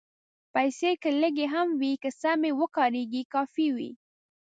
پېسې که لږې هم وي، که سمې وکارېږي، کافي وي.